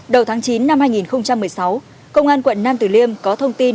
đầu tháng chín năm hai nghìn một mươi sáu công an quận nam tử liêm có thông tin